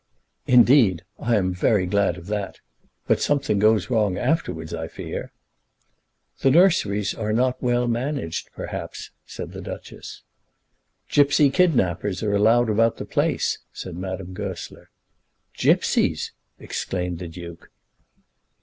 "Indeed. I'm very glad of that. But something goes wrong afterwards, I fear." "The nurseries are not well managed, perhaps," said the Duchess. "Gipsy kidnappers are allowed about the place," said Madame Goesler. "Gipsies!" exclaimed the Duke.